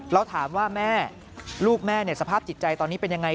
แล้วถามว่าแม่ลูกแม่สภาพจิตใจตอนนี้เป็นยังไง